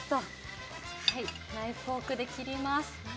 ナイフ、フォークで切ります。